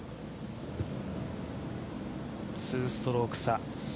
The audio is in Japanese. ２ストローク差。